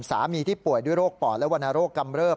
ที่ป่วยด้วยโรคปอดและวรรณโรคกำเริบ